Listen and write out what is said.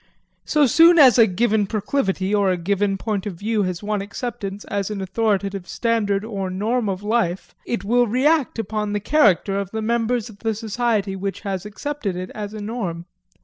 So soon as a given proclivity or a given point of view has won acceptance as an authoritative standard or norm of life it will react upon the character of the members of the society which has accepted it as a norm.